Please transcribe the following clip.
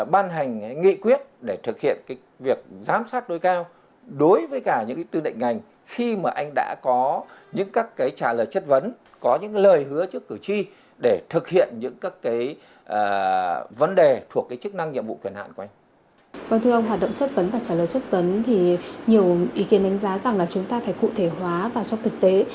vâng thưa ông hoạt động chất vấn và trả lời chất vấn thì nhiều ý kiến đánh giá rằng là chúng ta phải cụ thể hóa vào trong thực tế